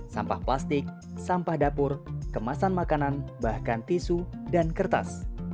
sampah plastik sampah dapur kemasan makanan bahkan tisu dan kertas